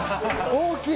大きい！